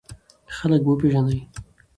خلک به وپېژنې!